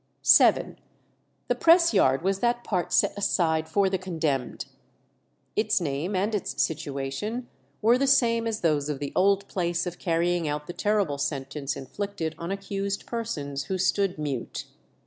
vii. The press yard was that part set aside for the condemned. Its name and its situation were the same as those of the old place of carrying out the terrible sentence inflicted on accused persons who stood mute.